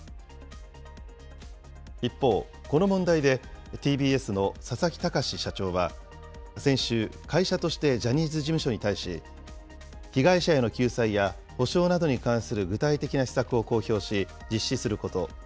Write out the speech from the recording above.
一方、この問題でＴＢＳの佐々木卓社長は、先週、会社としてジャニーズ事務所に対し、被害者への救済や補償などに関する具体的な施策を公表し、実施すること。